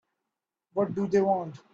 What do they want?